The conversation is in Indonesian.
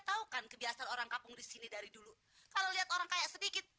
tahu kan kebiasaan orang kampung di sini dari dulu kalau lihat orang kayak sedikit